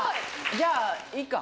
じゃあ、いっか。